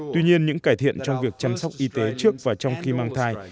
tuy nhiên những cải thiện trong việc chăm sóc y tế trước và trong khi mang thai